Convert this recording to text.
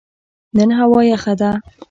نن هوا یخه ده